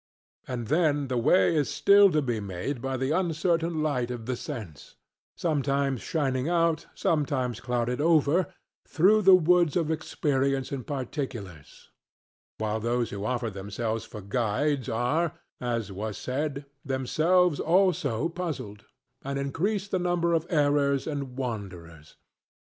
And then the way is still to be made by the uncertain light of the sense, sometimes shining out, sometimes clouded over, through the woods of experience and particulars; while those who offer themselves for guides are (as was said) themselves also puzzled, and increase the number of errors and wanderers.